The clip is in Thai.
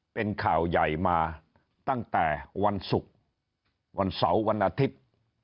เป็นข่าวใหญ่มาตั้งแต่วันศุกร์วันเสาร์วันอาทิตย์